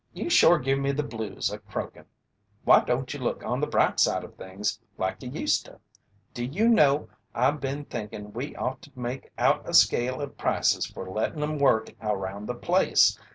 "You shore give me the blues a croakin'. Why don't you look on the bright side of things like you useta? Do you know, I've been thinkin' we ought to make out a scale of prices for lettin' 'em work around the place.